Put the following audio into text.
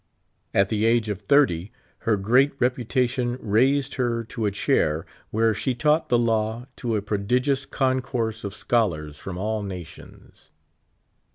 At the age of thirt} , her great reputation raised her to a chair, where she taught the law to a pro digious concourse of scholars from all nations.